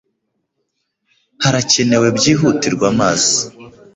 Harakenewe byihutirwa amazi.